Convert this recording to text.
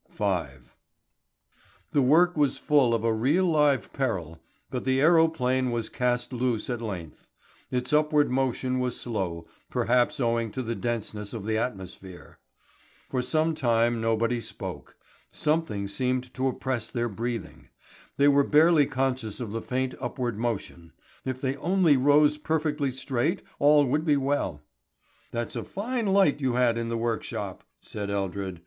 V. The work was full of a real live peril, but the aerophane was cast loose at length. Its upward motion was slow, perhaps owing to the denseness of the atmosphere. For some time nobody spoke. Something seemed to oppress their breathing. They were barely conscious of the faint upward motion. If they only rose perfectly straight all would be well. "That's a fine light you had in the workshop," said Eldred.